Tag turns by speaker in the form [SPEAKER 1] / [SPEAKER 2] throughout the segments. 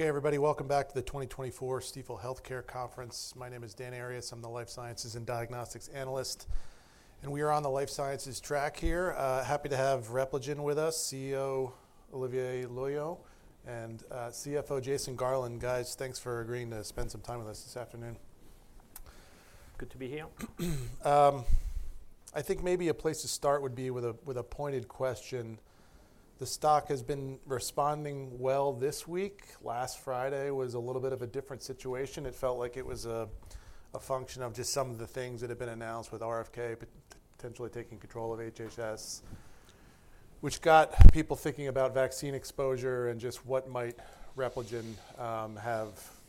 [SPEAKER 1] Okay, everybody, welcome back to the 2024 Stifel Healthcare Conference. My name is Dan Arias. I'm the life sciences and diagnostics analyst and we are on the life sciences track here. Happy to have Repligen with us. CEO Olivier Loeillot and CFO Jason Garland. Guys, thanks for agreeing to spend some time with us this afternoon.
[SPEAKER 2] Good to be here.
[SPEAKER 1] I think maybe a place to start would be with a pointed question. The stock has been responding well this week. Last Friday was a little bit of a different situation. It felt like it was a function of just some of the things that have been announced with RFK potentially taking control of HHS, which got people thinking about vaccine exposure and just what might Repligen have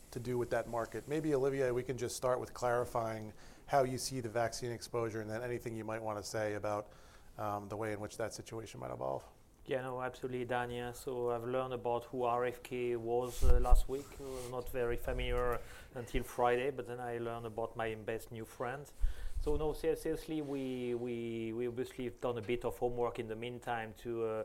[SPEAKER 1] to do with that market. Maybe, Olivier, we can just start with clarifying how you see the vaccine exposure and then anything you might want to say about the way in which that situation might evolve.
[SPEAKER 2] Yeah, no, absolutely, Daniel. I've learned about who RFK was last week. Not very familiar until Friday, but then I learned about my best new friends. No, seriously, we obviously have done a bit of homework in the meantime to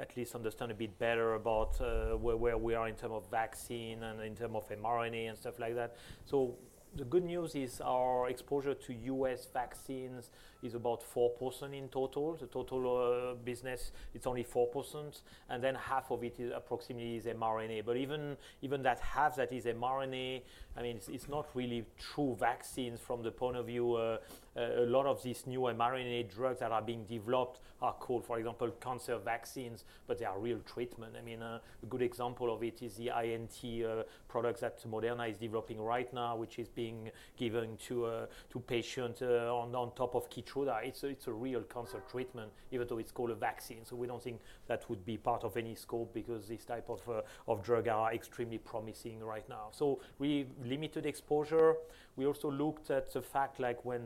[SPEAKER 2] at least understand a bit better about where we are in terms of vaccine and in terms of mRNA and stuff like that. The good news is our exposure to U.S. vaccines. Vaccines is about 4% in total. The total business, it's only 4%. And then half of it approximately is mRNA, but even that half that is mRNA. I mean, it's not really true vaccines from the point of view. A lot of these new mRNA drugs that are being developed are called, for example, cancer vaccines, but they are real treatment. I mean, a good example of it is the INT products that Moderna is developing right now, which is being given to patients on top of Keytruda. It's a real cancer treatment, even though it's called a vaccine. So we don't think that would be part of any scope because these type of drug are extremely promising right now. So we limited exposure. We also looked at the fact like during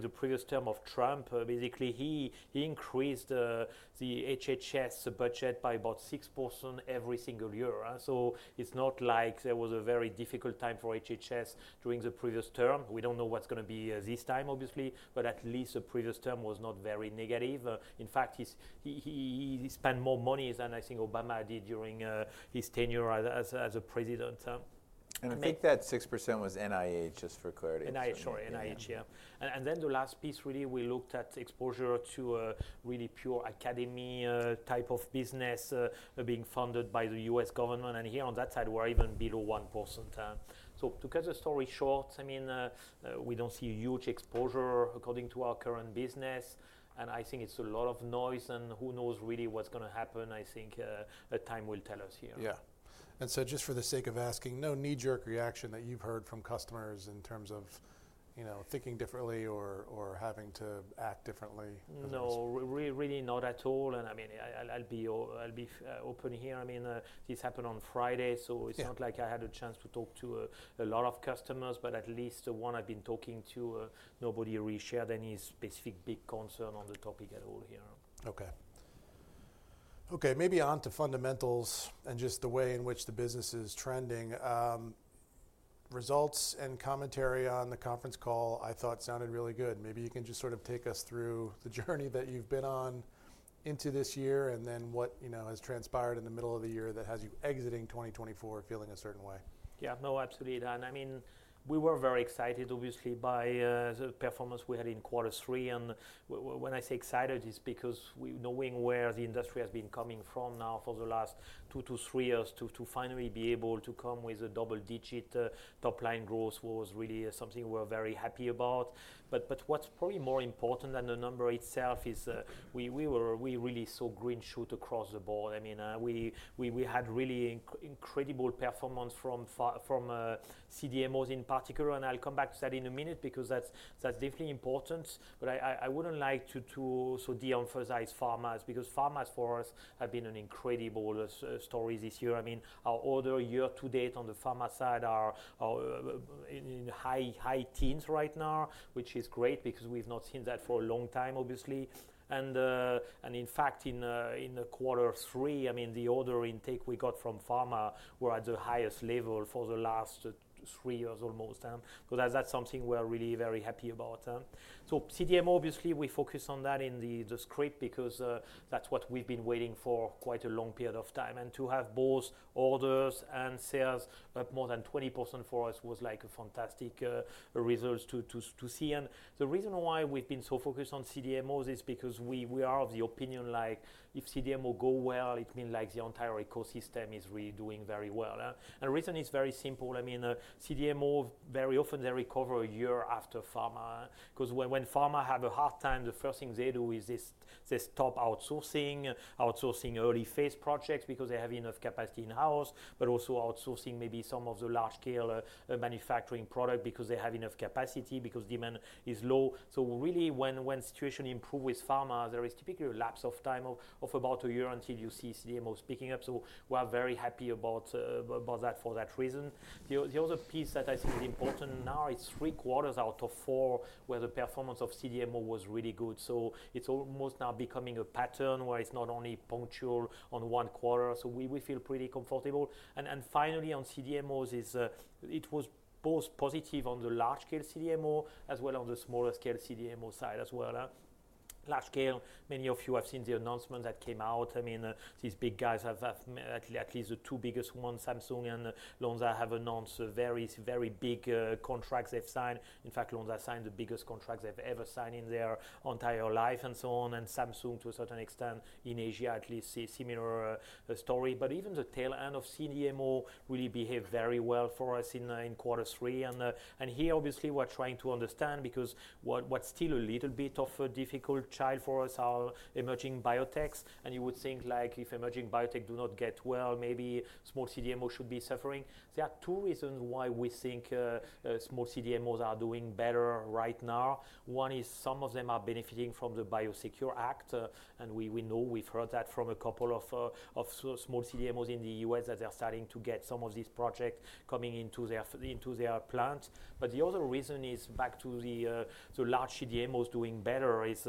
[SPEAKER 2] the previous term of Trump, basically he increased the HHS budget by about 6% every single year. So it's not like there was a very difficult time for HHS during the previous term. We don't know what's going to be this time, obviously, but at least the previous term was not very negative. In fact, he spent more money than I think Obama did during his tenure as a president.
[SPEAKER 3] I think that 6% was NIH, just for clarity.
[SPEAKER 2] NIH, sorry, NIH. Yeah. And then the last piece, really, we looked at exposure to a really pure academia type of business being funded by the U.S. government. And here on that side we're even below 1%. So to cut the story short, I mean we don't see huge exposure according to our current business and I think it's a lot of noise and who knows really what's going to happen? I think time will tell us here.
[SPEAKER 1] Yeah. And so just for the sake of asking, no knee-jerk reaction that you've heard from customers in terms of, you know, thinking differently or having to act differently?
[SPEAKER 2] No, really, not at all. And I mean I'll be open here. I mean this happened on Friday, so it's not like I had a chance to talk to a lot of customers, but at least the one I've been talking to, nobody really shared any specific big concern on the topic at all here.
[SPEAKER 1] Okay, okay. Maybe on to fundamentals and just the way in which the business is trending. Results and commentary on the conference call I thought sounded really good. Maybe you can just sort of take us through the journey that you've been on into this year and then what has transpired in the middle of the year that has you exiting 2024 feeling a certain way.
[SPEAKER 2] Yeah, no, absolutely. I mean we were very excited obviously by the performance we had in quarter three. And when I say excited it's because knowing where the industry has been coming from now for the last two to three years to finally be able to come with a double-digit top-line growth was really something we're very happy about. But, but what's probably more important than the number itself is we really saw green shoots across the board. I mean we had really incredible performance from CDMOs in particular. And I'll come back to that in a minute because that's definitely important. But I wouldn't like to de-emphasize pharmas because pharmas for us have been an incredible story this year. I mean our order year to date on the pharma side are in high teens right now, which is great because we've not seen that for a long time obviously, and in fact in quarter three, I mean the order intake we got from pharma were at the highest level for the last three years almost, so that's something we're really very happy about, so CDMO, obviously we focus on that in the script because that's what we've been waiting for quite a long period of time, and to have both orders and sales up more than 20% for us was like a fantastic result to see, and the reason why we've been so focused on CDMOs is because we are of the opinion like if CDMO go well it means like the entire ecosystem is really doing very well. And the reason is very simple. I mean, CDMO very often they recover a year after pharma because when pharma have a hard time, the first thing they do is stop outsourcing, outsourcing early phase projects because they have enough capacity in house, but also outsourcing maybe some of the large scale manufacturing product because they have enough capacity, Because demand is low, so really when situation improve with pharma there is typically a lapse of time of about a year until you see CDMO picking up, so we are very happy about that for that reason. The other piece that I think is important, now it's 3/4 out of 4 where the performance of CDMO was really good, so it's almost now becoming a pattern where it's not only punctual on one quarter, so we feel pretty comfortable. Finally on CDMO it was both positive on the large scale CDMO as well, on the smaller scale CDMO side as well, large scale. Many of you have seen the announcement that came out. I mean these big guys have at least the two biggest ones, Samsung and Lonza have announced various very big contracts they've signed. In fact Lonza signed the biggest contracts they've ever signed in their entire life and so on. Samsung to a certain extent, you know, in Asia at least see similar story. Even the tail end of CDMO really behaved very well for us in quarter three. Here obviously we're trying to understand because what's still a little bit of a difficult child for us are emerging biotechs. You would think like if emerging biotech do not get well, maybe small CDMO should be suffering. There are two reasons why we think small CDMOs are doing better right now. One is some of them are benefiting from the BIOSECURE Act. We know, we've heard that from a couple of small CDMOs in the U.S. that they're starting to get some of these projects coming into their plant. But the other reason is back to the large CDMOs doing better is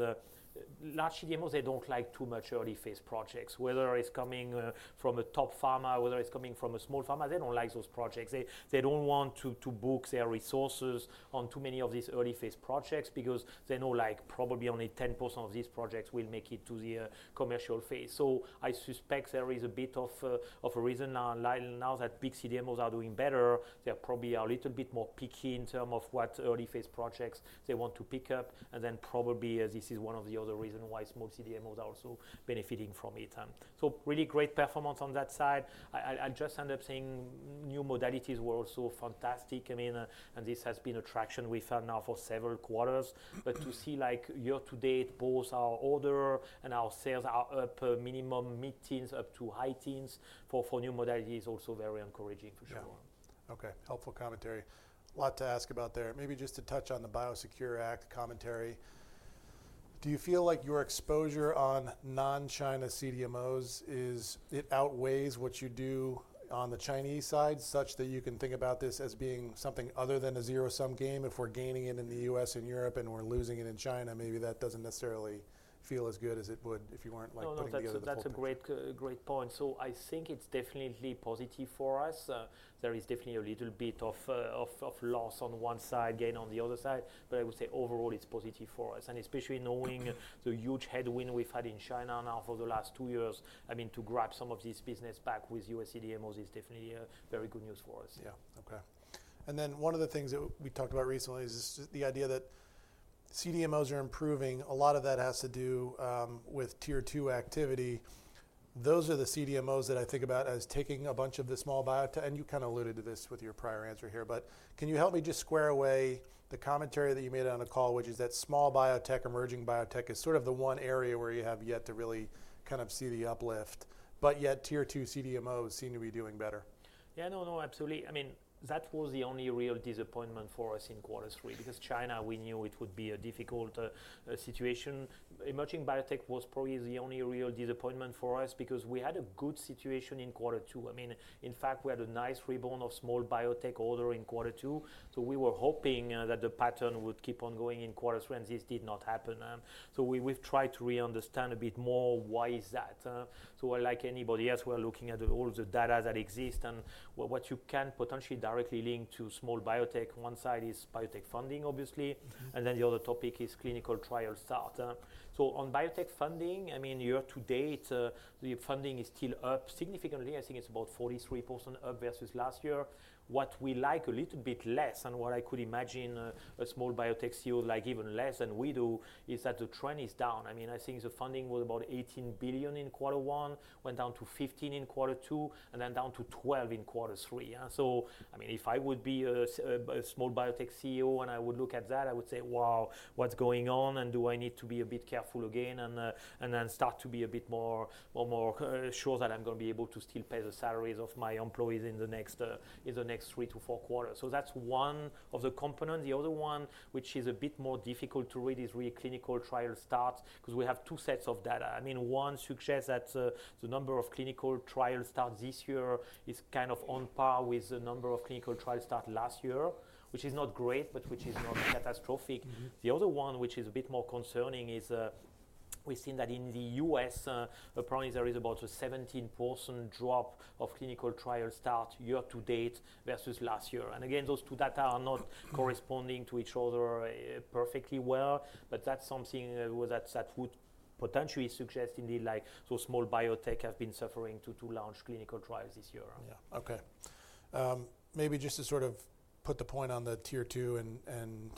[SPEAKER 2] large CDMOs. They don't like too much early phase projects, whether it's coming from a top pharma, whether it's coming from a small pharma, they don't like those projects, they don't want to book their resources or on too many of these early phase projects because they know like probably only 10% of these projects will make it to the commercial phase. So I suspect there is a bit of a reason now that big CDMOs are doing better. They probably are a little bit more picky in terms of what early phase projects they want to pick up. And then probably this is one of the other reason why small CDMOs are also benefiting from it. So really great performance on that side. I just end up seeing new modalities were also fantastic. I mean and this has been a traction we found now for several quarters. But to see like year to date both our order and our sales are up minimum mid-teens up to high-teens for new modality is also very encouraging for sure.
[SPEAKER 1] Okay, helpful commentary. A lot to ask about there. Maybe just to touch on the BIOSECURE Act commentary. Do you feel like your exposure on non-China CDMOs is it outweighs what you do on the Chinese side such that you can think about this as being something other than a zero-sum game. If we're gaining it in the U.S. and Europe and we're losing it in China, maybe that doesn't necessarily feel as good as it would if you weren't.
[SPEAKER 2] Like that's a great, great point. So I think it's definitely positive for us. There is definitely a little bit of loss on one side, gain on the other side, but I would say overall it's positive for us. And especially knowing the huge headwind we've had in China now for the last two years, I mean to grab some of this business back with us, CDMOs is definitely a very good news for us.
[SPEAKER 1] Yeah.
[SPEAKER 2] Okay.
[SPEAKER 1] One of the things that we talked about recently is the idea that CDMOs are improving. A lot of that has to do with tier 2 activity. Those are the CDMOs that I think about as taking a bunch of the small biotech. You kind of alluded to this with your prior answer here, but can you help me just square away the commentary that you made on a call which is that small biotech, emerging biotech is sort of the one area where you have yet to really kind of see the uplift, but yet tier 2 CDMO seem to be doing better?
[SPEAKER 2] Yeah, no, no, absolutely. I mean that was the only real disappointment for us in quarter three because China, we knew it would be a difficult situation. Emerging biotech was probably the only real disappointment for us because we had a good situation in quarter two. I mean in fact we had a nice rebound of small biotech order in quarter two. So we were hoping that the pattern would keep on going in quarter three and this did not happen. So we've tried to re-understand a bit more why is that? So like anybody else, we're looking at all the data that exist and what you can potentially directly link to small biotech. One side is biotech funding obviously and then the other topic is clinical trial starts. So on biotech funding, I mean year to date the funding is still up significantly, I think it's about 43% up versus last year. What we like a little bit less and what I could imagine a small biotech feels like even less than we do is that the trend is down. I mean I think the funding was about $18 billion in quarter one, went down to $15 billion in quarter two and then down to $12 billion in quarter three. So I mean if I would be a small biotech CEO and I would look at that, I would say wow, what's going on? And do I need to be a bit careful again and then start to be a bit more sure that I'm going to be able to still pay the salaries of my employees in the next three to four quarters. So that's one of the components. The other one which is a bit more difficult to read is really clinical trial starts because we have two sets of data. I mean one suggests that the number of clinical trials start this year is kind of on par with the number of clinical trials start last year, which is not great, but which is not catastrophic. The other one which is a bit more concerning is we've seen that in the U.S. apparently there is about a 17% drop of clinical trial start year to date versus last year, and again those two data are not corresponding to each other perfectly well, but that's something that would potentially suggest indeed like those small biotech have been suffering to launch clinical trials this year.
[SPEAKER 1] Yeah, okay, maybe just to sort of put the point on the tier 2 and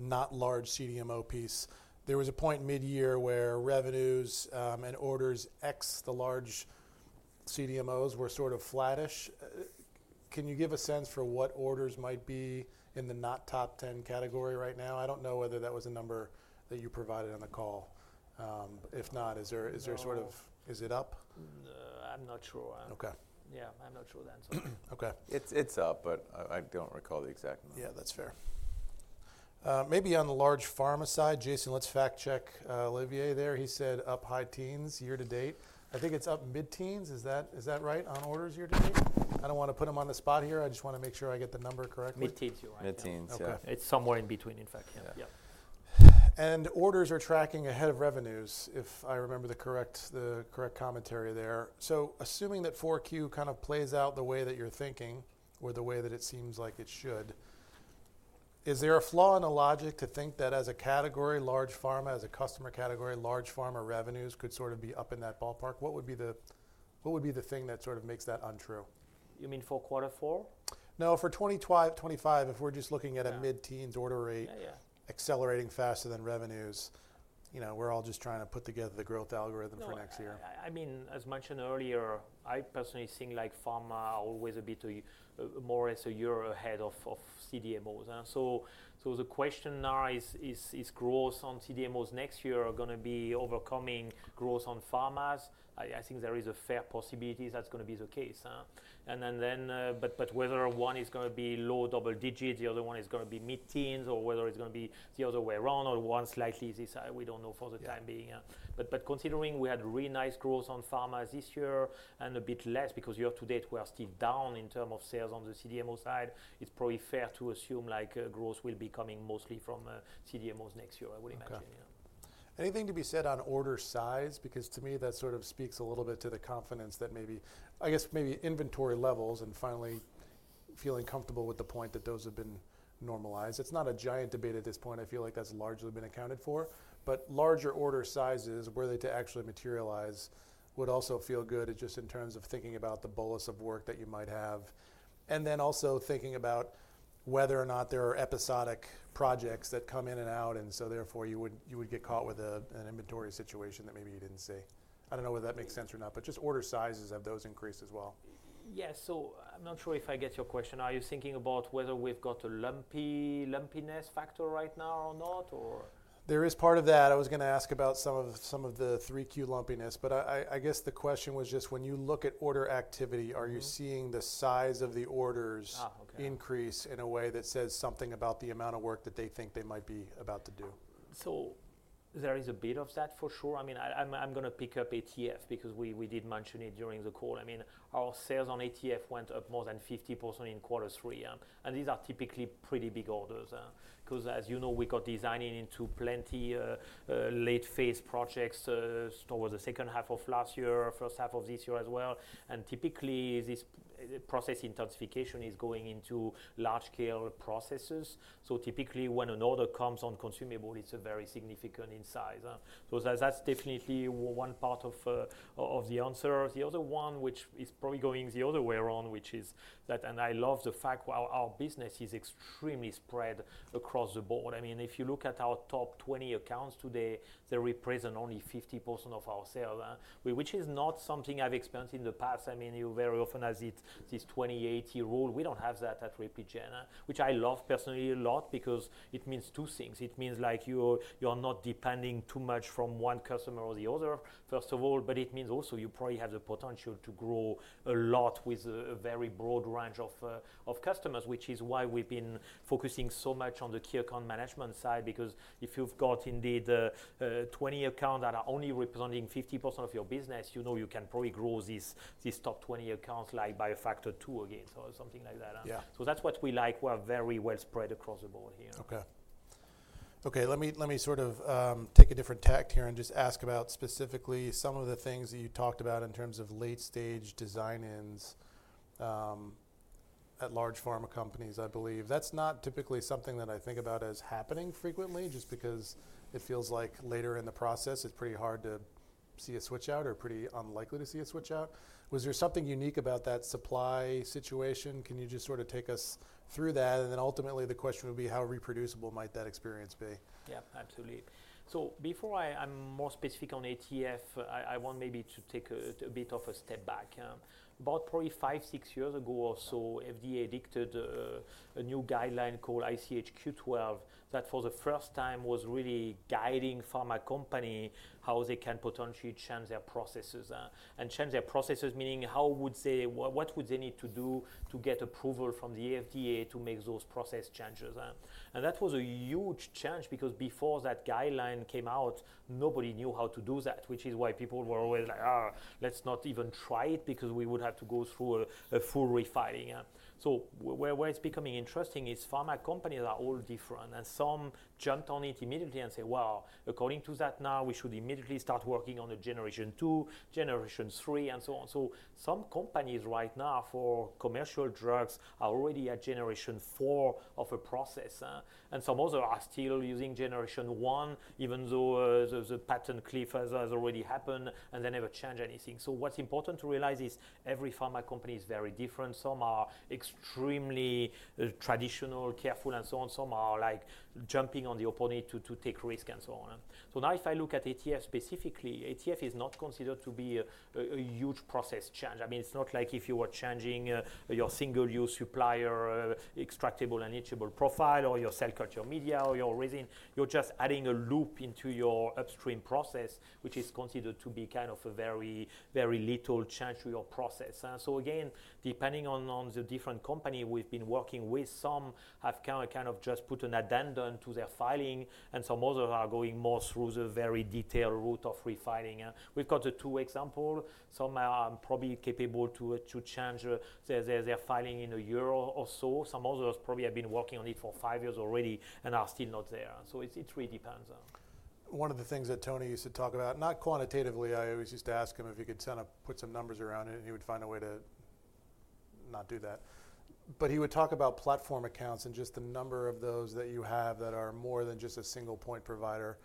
[SPEAKER 1] not large CDMO piece, there was a point mid year where revenues and orders from the large CDMOs were sort of flattish. Can you give a sense for what orders might be in the not top 10 category right now? I don't know whether that was a number that you provided on the call. If not, is there sort of, is it up?
[SPEAKER 4] I'm not sure. Okay, yeah, I'm not sure then.
[SPEAKER 3] Okay, it's up, but I don't recall the exact number.
[SPEAKER 1] Yeah, that's fair. Maybe on the large pharma side. Jason, let's fact check Olivier there. He said up high teens year to date. I think it's up mid teens. Is that right on orders year to date? I don't want to put him on the spot here. I just want to make sure I get the number correctly.
[SPEAKER 2] Mid teens.
[SPEAKER 3] You're right, mid teens, yeah, it's somewhere.
[SPEAKER 2] In between, in fact.
[SPEAKER 1] Orders are tracking ahead of revenues, if I remember the correct commentary there. Assuming that 4Q kind of plays out the way that you're thinking or the way that it seems like it should, is there a flaw in the logic to think that as a category large pharma, as a customer category, large pharma revenues could sort of be up in that ballpark? What would be the thing that sort of makes that untrue?
[SPEAKER 2] You mean for quarter four?
[SPEAKER 1] No, for 2025. If we're just looking at a mid teens order rate accelerating faster than revenues, you know, we're all just trying to put together the growth algorithm for next year.
[SPEAKER 2] I mean, as mentioned earlier, I personally think like pharma, always a bit more or less a year ahead of CDMO. So the question now is growth on CDMOs next year are going to be overcoming growth on pharma? I think there is a fair possibility that's going to be the case. But whether one is going to be low double digit, the other one is going to be mid teens or whether it's going to be the other way around or one slightly. This we don't know for the time being. But considering we had really nice growth on pharma this year and a bit less because year to date we are still down in terms of sales on the CDMO side, it's probably fair to assume like growth will be coming mostly from CDMOs next year, I would imagine.
[SPEAKER 1] Anything to be said on order size, because to me that sort of speaks a little bit to the confidence that maybe, I guess, maybe inventory levels and finally feeling comfortable with the point that those have been normalized? It's not a giant debate at this point. I feel like that's largely been accounted for, but larger order sizes, were they to actually materialize, would also feel good. Just in terms of thinking about the bolus of work that you might have and then also thinking about whether or not there are episodic projects that come in and out, and so therefore you would get caught with an inventory situation that maybe you didn't see. I don't know whether that makes sense or not, but just order sizes, have those increased as well?
[SPEAKER 2] Yes. So I'm not sure if I get your question. Are you thinking about whether we've got a lumpy lumpiness factor right now or not? Or, There is part of that. I was going to ask about some of the 3Q lumpiness, but I guess the question was just, when you look at order activity, are you seeing the size of the orders increase in a way that says something about the amount of work that they think they might be about to do? So there is a bit of that for sure. I mean I'm going to pick up ATF because we did mention it during the call. I mean our sales on ATF went up more than 50, 50% in quarter three. And these are typically pretty big orders because as you know, we got design-in into plenty late phase projects towards the second half of last year, first half of this year as well. And typically this process intensification is going into large scale processes. So typically when an order comes on consumable, it's very significant in size. So that's definitely one part of the answer. The other one which is probably going the other way around, which is that. And I love the fact our business is extremely spread across the board. I mean if you look at our top 20 accounts today, they represent only 50% of our sales, which is not something I've experienced in the past. I mean you very often see this 80/20 rule, we don't have that at Repligen, which I love personally a lot because it means two things. It means like you, you are not depending too much on one customer or the other first of all. But it means also you probably have the potential to grow a lot with a very broad range of customers. Which is why we've been focusing so much on the key account management side. Because if you've got indeed 20 accounts that are only representing 50% of your business, you know, you can probably grow these top 20 accounts like by a factor two again so something like that. So that's what we like. We're very well spread right across the board here.
[SPEAKER 1] Okay, okay, let me sort of take a different tack here and just ask about specifically some of the things that you talked about in terms of late stage design ins at large pharma companies. I believe that's not typically something that I think about as happening frequently just because it feels like later in the process it's pretty hard To see a switch out or pretty unlikely to see a switch out. Was there something unique about that supply situation? Can you just sort of take us through that and then ultimately the question would be how reproducible might that experience be?
[SPEAKER 2] Yeah, absolutely. So before I'm more specific on ATF, I want maybe to take a bit of a step back about probably five, six years ago or so. FDA dictated a new guideline called ICH Q12 that for the first time was really guiding pharma company how they can potentially change their processes and change their processes, meaning what would they need to know to do to get approval from the FDA to make those process changes. And that was a huge challenge because before that guideline came out, nobody knew how to do that, which is why people were always like, let's not even try it, because we would have to go through a full refiling. So where it's becoming interesting is pharma companies are all different. Some jumped on it immediately and say, well, according to that, now we should immediately start working on a generation two, generation three and so on. So some companies right now for commercial drugs are already at generation four of a process and some others are still using generation one even though the patent cliff has already happened and they never changed anything. So what's important to realize is every pharma company is very different. Some are extremely traditional, careful and so on. Some are like jumping on the opponent to take risk and so on. So now if I look at ATF specifically, ATF is not considered to be a huge process change. I mean, it's not like if you were changing your single-use supplier, extractables, leachables profile, or your cell culture media or your resin. You're just adding a loop into your upstream process, which is considered to be kind of a very, very little change to your process. So again, depending on the different company we've been working with, some have kind of just put an addendum to their filing and some others are going more through the very detailed route of refiling. We've got the two examples. Some are probably capable to change their filing in a year or so. Some others probably have been working on it for five years already and are still not there. So it really depends.
[SPEAKER 1] One of the things that Tony used to talk about, not quantitatively, I always used to ask him if he could put some numbers around it and he would find a way to not do that, but he would talk about platform accounts and just the number of those that you have that are more than just a single point provider.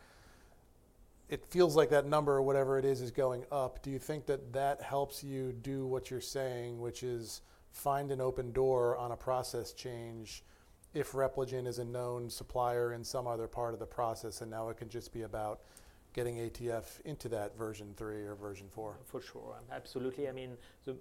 [SPEAKER 1] It feels like that number, whatever it is, is going up. Do you think that that helps you do what you're saying, which is find an open door on a process change? If Repligen is a known supplier in some other part of the process, and now it can just be about getting ATF into that version three, three or version four.
[SPEAKER 2] For sure. Absolutely. I mean,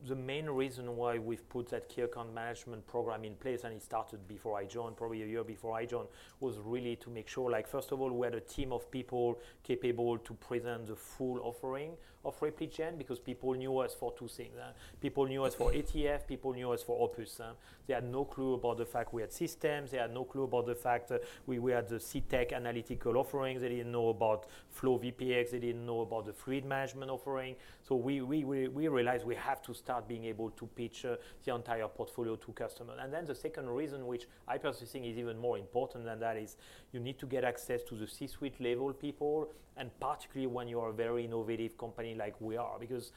[SPEAKER 2] the main reason why we've put that key account management program in place, and it started before I joined, probably a year before I joined, was really to make sure like first of all we had a team of people capable to present the full offering of Repligen because people knew us for two things. People knew us for ATF, people knew us for Opus. They had no clue about the fact we had systems, they had no clue about the fact we had the CTech analytical offerings. They didn't know about FlowVPE. They didn't know about the Fluid Management offering. So we realized we have to start being able to pitch the entire portfolio to customers. And then the second reason, which I personally think is even more important than that, is you need to get access to the C-suite level people and particularly when you are a very innovative company like we are, because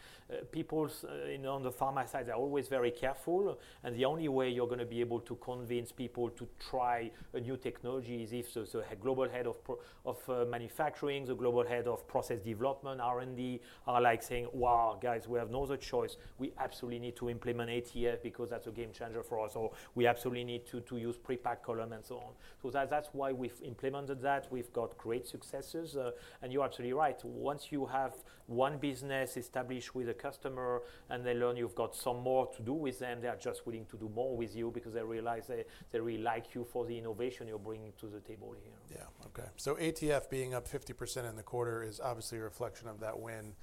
[SPEAKER 2] people on the pharma side, they're always very careful and the only way you're going to be able to convince people to try a new technology is if, say, a global head of manufacturing. The global head of process development R&D are like saying, wow guys, we have no other choice. We absolutely need to implement ATF because that's a game changer for us or we absolutely need to use pre-packed column and so on. So that's why we've implemented that. We've got great successes. And you're absolutely right. Once you have one business established with a customer and they learn you've got some more to do with them, they are just willing to do more with you because they realize they really like you for the innovation you're bringing to the table here.
[SPEAKER 1] Yeah. Okay, so ATF being up 50% in the quarter is obviously a reflection of that win.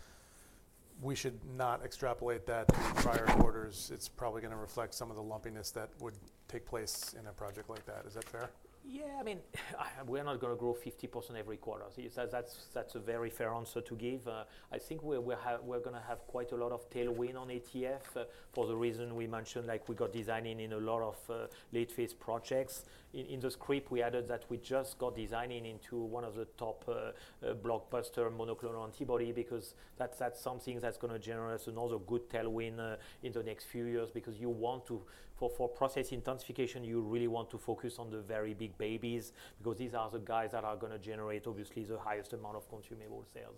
[SPEAKER 1] We should not extrapolate that to prior quarters. It's probably going to reflect some of the lumpiness that would take place in a project like that. Is that fair?
[SPEAKER 2] Yeah, I mean we're not going to grow 50% every quarter. That's a very fair answer to give. I think we're going to have quite, quite a lot of tailwind on ATF for the reason we mentioned like we got designing in a lot of late phase projects in the script. We added that we just got designing into one of the top blockbuster monoclonal antibody because that's something that's going to generate another good tailwind in the next few years. Because you want to for process intensification, you really want to focus on the very big babies because these are the guys that are going to generate obviously the highest amount of consumable sales.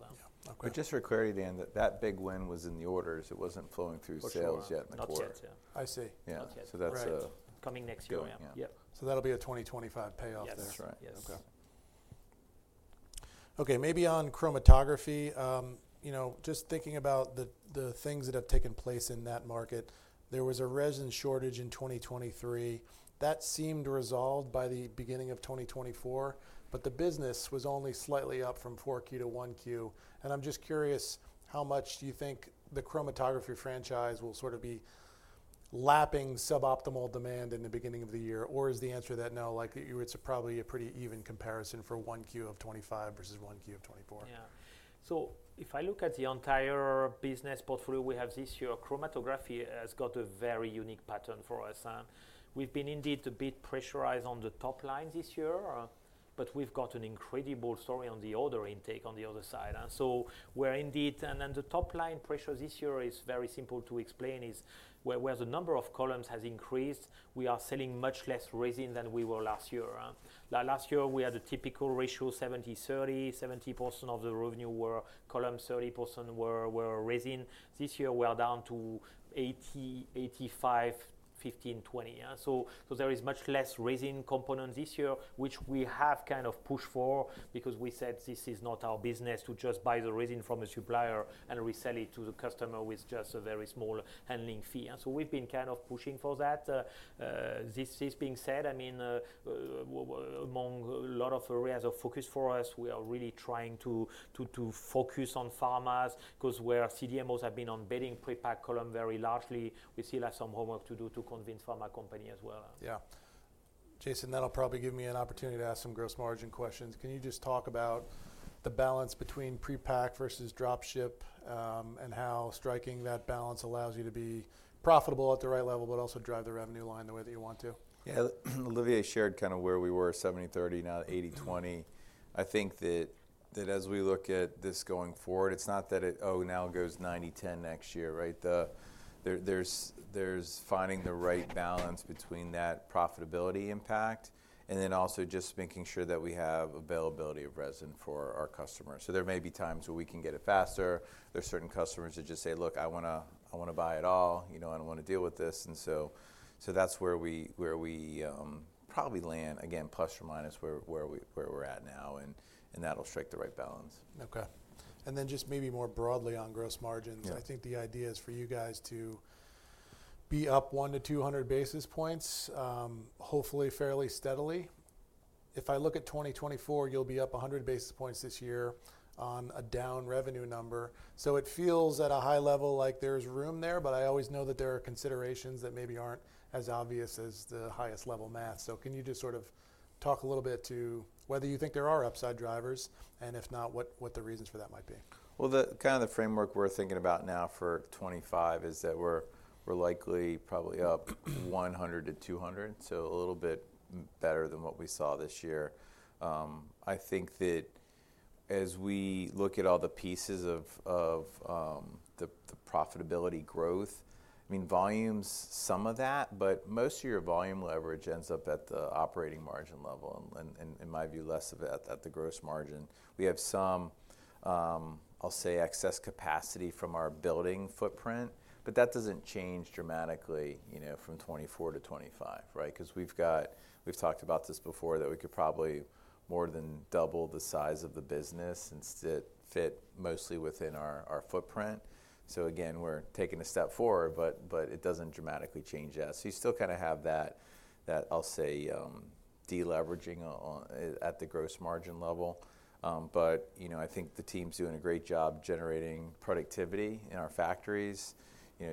[SPEAKER 3] But just for clarity, Dan, that big win was in the orders. It wasn't flowing through sales yet.
[SPEAKER 1] I see.
[SPEAKER 3] Yeah.
[SPEAKER 2] So that's coming next year. Yeah.
[SPEAKER 1] That'll be a 2025 payoff there.
[SPEAKER 3] That's right.
[SPEAKER 1] Okay. Maybe on chromatography, you know, just thinking about the things that have taken place in that market. There was a resin shortage in 2023 that seemed resolved by the beginning of 2024, but the business was only slightly up from 4Q to 1Q, and I'm just curious, how much do you think the chromatography franchise will sort of be lapping suboptimal demand in the beginning of the year? Or is the answer that no? Like, it's probably a pretty even comparison for 1Q of 25 versus 1Q of 24.
[SPEAKER 2] Yeah. So if I look at the entire business portfolio we have this year, chromatography has got a very unique pattern for starters. We've been indeed a bit pressured on the top line this year, but we've got an incredible story on the order intake on the other side. So we're indeed. And then the top line pressure this year is very simple to explain. Where the number of columns has increased, we are selling much less resin than we were last year. Last year we had a typical ratio 70, 30. 70% of the revenue were columns, 30% were resin. This year we are down to 80%-85%, 15%-20%. So there is much less resin component this year, which we have kind of pushed for because we said this is not our business to just buy the resin from a supplier and resell it to the customer with just a very small handling fee. So we've been kind of pushing for that. This being said, I mean, among a lot of areas of focus for us, we are really trying to focus on pharmas because where CDMOs have been adopting pre-packed columns very largely, we still have some homework to do to convince pharma companies as well.
[SPEAKER 1] Yeah, Jason, that'll probably give me an opportunity to ask some gross margin questions. Can you just talk about the balance between pre-pack versus drop-ship and how striking that balance allows you to be profitable at the right level, but also drive the revenue line the way that you want to?
[SPEAKER 3] Yeah, Olivier shared kind of where we were, 70, 30, now 80, 20. I think that as we look at this going forward, it's not that it, oh, now goes 90, 10 next year. Right. There's finding the right balance between that profitability impact and then also just making sure that we have availability of resin for our customers, so there may be times where we can get it faster. There's certain customers that just say, look, I want to buy it all. I don't want to deal with this. And so that's where we probably land again, plus or minus where we're at now. And that'll strike the right balance.
[SPEAKER 1] Okay. And then just maybe more broadly on gross margins, I think the idea is for you guys to be up one to 200 basis points, hopefully fairly steadily. If I look at 2024, you'll be up 100 basis points this year on a down revenue number. So it feels at a high level, like there's room there. But I always know that there are concerns, considerations that maybe aren't as obvious as the highest level math. So can you just sort of talk a little bit to whether you think there are upside drivers and if not, what the reasons for that might be?
[SPEAKER 3] The framework we're thinking about now for 2025 is that we're likely probably up 100-200, so a little bit better than what we saw this year. I think that as we look at all the pieces of the profitability growth, I mean, volumes, some of that, but most of your volume leverage ends up at the operating margin level, in my view, less of it at the gross margin. We have some, I'll say excess capacity from our building footprint, but that doesn't change dramatically from 2024 to 2025. Right. Because we've talked about this before that we could probably more than double the size of the business and fit mostly within our footprint. So again, we're taking a step forward, but it doesn't dramatically change that. So you still kind of have that, I'll say deleveraging at the gross margin level, but I think the team's doing a great job generating productivity in our factories,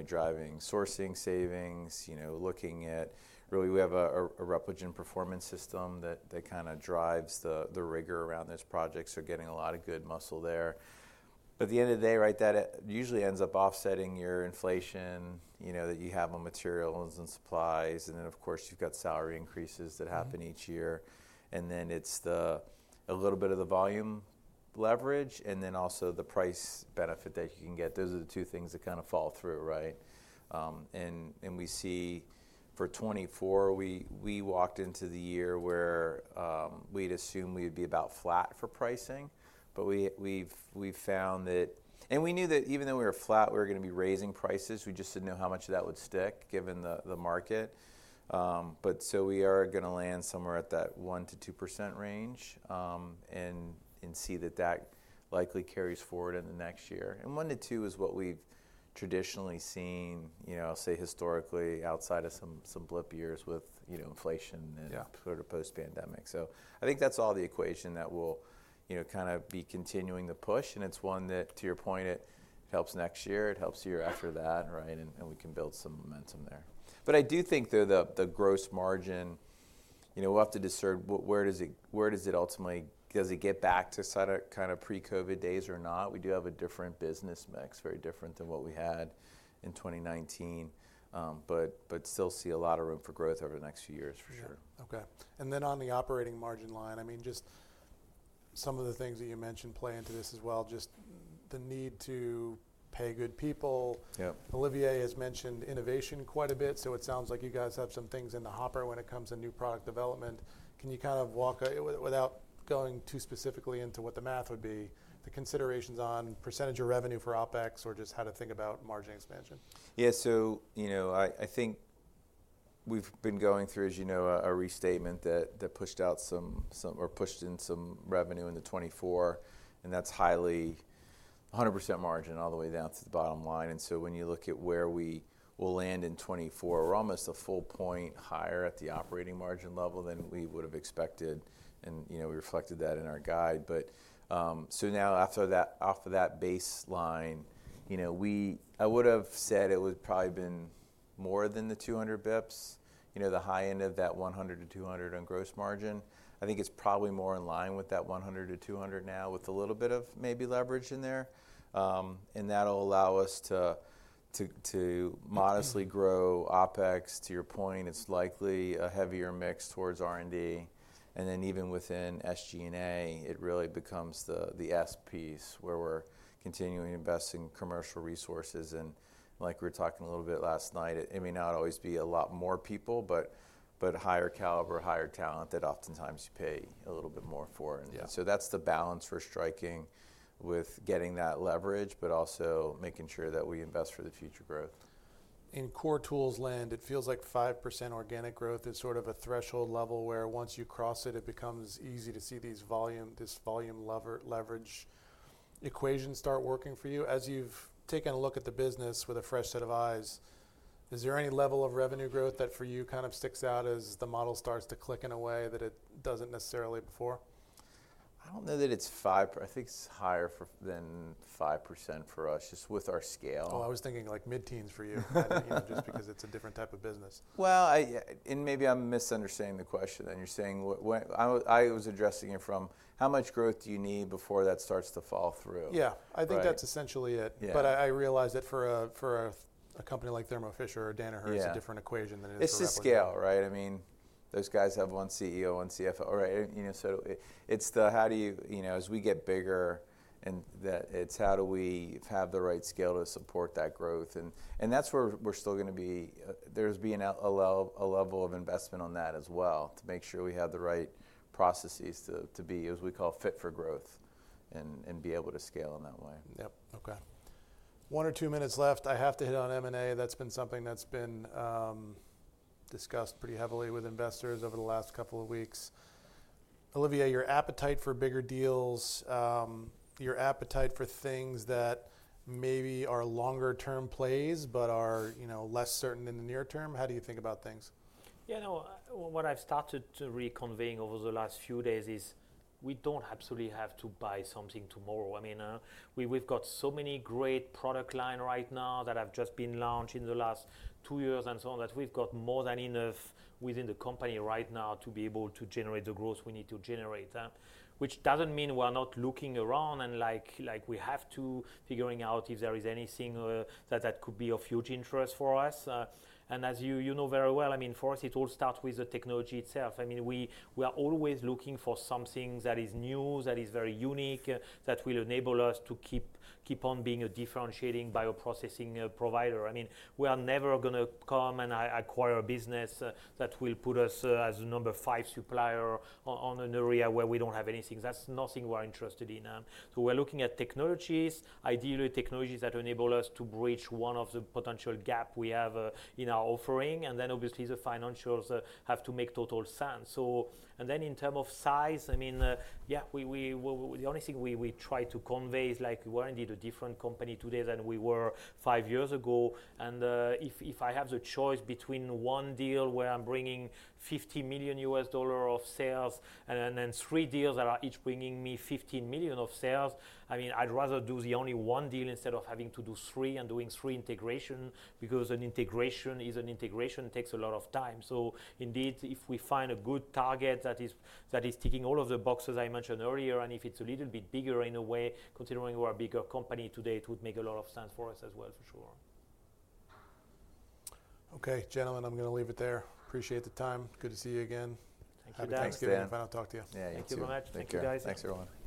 [SPEAKER 3] driving sourcing savings, looking at. Really we have a Repligen Performance System that kind of drives the rigor around this project. So getting a lot of good muscle there. But at the end of the day, that usually ends up offsetting your inflation that you have on materials and supplies. And then of course, you've got salary increases that happen each year. And then it's a little bit of the volume leverage and then also the price benefit that you can get. Those are the two things that flow through. Right. And we see for 2024, we walked into the year where we'd assume we'd be about flat for pricing. But we found that and we knew that even though we were flat, we were going to be raising prices. We just didn't know how much of that would stick given the market. But so we are going to land somewhere at that 1%-2% range and see that that likely carries forward in the next year. And 1%-2% is what we've traditionally seen, say historically outside of some blip years with inflation post pandemic. So I think that's all the equation that will kind of be continuing the push. And it's one that, to your point, it helps next year, it helps year after that. Right. And we can build some momentum there. But I do think though, the gross margin. We'll have to discern where does it go, where does it ultimately, does it get back to kind of pre-COVID days or not? We do have a different business mix, very different than what we had in 2019, but still see a lot of room for growth over the next few years for sure.
[SPEAKER 1] Okay. And then on the operating margin line, I mean, just some of the things that you mentioned play into this as well. Just the need to pay good people. Olivier has mentioned innovation quite a bit. So it sounds like you guys have some things in the hopper when it comes to new product development. Can you kind of walk without going too specifically into what the math would be, the considerations on percentage of revenue for OpEx or just how to think about margin expansion?
[SPEAKER 3] Yeah, so, you know, I think we've been going through, as you know, a restatement that pushed out some or pushed in some revenue in the 2024 and that's highly 100% margin all the way down to the bottom line. And so when you look at where we will land in 2024, we're almost a full point higher at the operating margin level than we would have expected. And you know, we reflected that in our guide. But so now after that, off of that baseline, you know, we, I would have said it would probably been more than the 200 basis points, you know, the high end of that 100-200 basis points on gross margin. I think it's probably more in line with that 100-200 basis points. 200 basis points now with a little bit of maybe leverage in there. And that'll allow us to modestly grow OpEx. To your point, it's likely a heavier mix towards R and D, and then even within SG&A, it really becomes the S piece where we're continuing investing commercial resources, and like we were talking a little bit last night, it may not always be a lot more people, but higher caliber, higher talent, that often you pay a little bit more for it, so that's the balance we're striking with, getting that leverage, but also making sure that we invest for the future growth.
[SPEAKER 1] In core tools land, it feels like 5% organic growth is sort of a threshold level where once you cross it, it becomes easy to see this volume leverage equation start working for you. As you've taken a look at the business with a fresh set of eyes. Is there any level of revenue growth that for you kind of sticks out as the model starts to click in a way that it doesn't necessarily before?
[SPEAKER 3] I don't know that it's 5. I think it's higher than 5% for us just with our scale.
[SPEAKER 1] I was thinking like mid-teens for you, just because it's a different type of business.
[SPEAKER 5] Well, and maybe I'm misunderstanding the question and you're saying I was addressing it from how much growth do you need before that starts to fall through?
[SPEAKER 1] Yeah, I think that's essentially it. But I realized that for a company like Thermo Fisher or Danaher is a different equation than it's the scale.
[SPEAKER 3] Right. I mean those guys have one CEO, one CFO.
[SPEAKER 1] Right.
[SPEAKER 3] You know, so it's the how do you, you know, as we get bigger and that it's how do we have the right scale to support that growth and, and that's where we're still going to be. There is a level of investment on that as well to make sure we have the right processes to be as we call fit for growth and be able to scale in that way.
[SPEAKER 1] Yep. Okay, one or two minutes left. I have to hit on M&A. That's been something that's been discussed pretty heavily with investors over the last couple of weeks. Olivier, your appetite for bigger deals, your appetite for things that maybe are longer term plays but are less certain in the near term. How do you think about things?
[SPEAKER 2] Yeah, what I've started reconveying over the last few days is we don't absolutely have to buy something tomorrow. I mean we've got so many great product lines right now that have just been launched in the last two years and so on that we've got more than enough within the company right now to be able to generate the growth we need to generate, which doesn't mean we're not looking around and like we have to figure out if there is anything that could be of huge interest for us. As you know very well, I mean for us it all starts with the technology itself. I mean, we are always looking for something that is new, that is very unique, that will enable us to keep on being a differentiating bioprocessing provider. I mean, we are never going to come and acquire a business that will put us as number five supplier on an area where we don't have anything that's nothing we're interested in. So we're looking at technologies, ideally technologies that enable us to bridge one of the potential gap we have in our offering. And then obviously the financials have to make total sense, and then in terms of size, I mean, yeah, the only thing we try to convey is like we're indeed a different company today than we were five years ago. If I have the choice between one deal where I'm bringing $50 million of sales and then three deals that are each bringing me $15 million of sales, I mean, I'd rather do the only one deal instead of having to do three and doing three integrations, because an integration takes a lot of time. So indeed, if we find a good target that is ticking all of the boxes I mentioned earlier, and if it's a little bit bigger in a way, considering we're a bigger company today, it would make a lot of sense for us as well, for sure.
[SPEAKER 1] Okay, gentlemen, I'm going to leave it there. Appreciate the time. Good to see you again.
[SPEAKER 2] Thank you, Dan.
[SPEAKER 1] Thanks. I'll talk to you.
[SPEAKER 2] Thank you guys.
[SPEAKER 3] Thanks everyone.